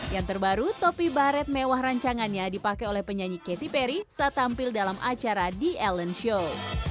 yang terbaru topi baret mewah rancangannya dipakai oleh penyanyi katy perry saat tampil dalam acara di ellen show